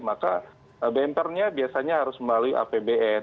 maka benternya biasanya harus melalui apbn